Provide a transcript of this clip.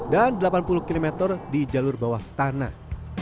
dan delapan puluh km di jalur bawah tanah